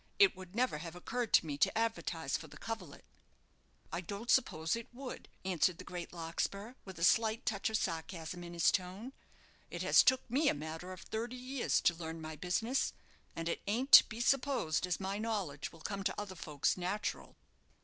"It would never have occurred to me to advertise for the coverlet." "I don't suppose it would," answered the great Larkspur, with a slight touch of sarcasm in his tone. "It has took me a matter of thirty years to learn my business; and it ain't to be supposed as my knowledge will come to other folks natural."